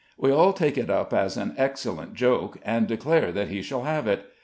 We all take it up as an excellent joke, and declare he shall have it.